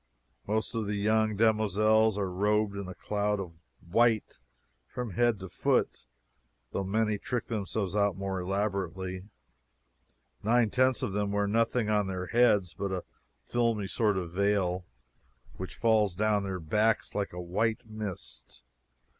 Most of the young demoiselles are robed in a cloud of white from head to foot, though many trick themselves out more elaborately. Nine tenths of them wear nothing on their heads but a filmy sort of veil, which falls down their backs like a white mist.